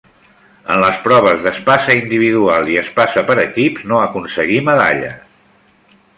En les proves d'espasa individual i espasa per equips no aconseguí medalles.